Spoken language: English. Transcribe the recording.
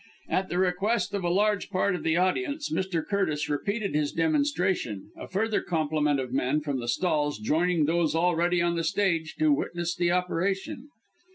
At the request of a large part of the audience, Mr. Curtis repeated his demonstration, a further complement of men from the stalls joining those already on the stage to witness the operation.